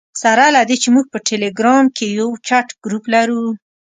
سره له دې چې موږ په ټلګرام کې یو چټ ګروپ لرو.